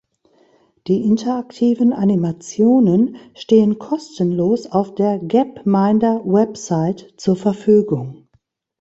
Die interaktiven Animationen stehen kostenlos auf der "Gapminder"-Website zur Verfügung.